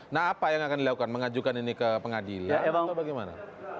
nah apa yang akan dilakukan mengajukan ini ke pengadilan atau bagaimana